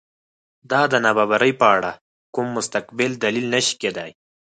دا د نابرابرۍ په اړه کوم مستقل دلیل نه شي کېدای.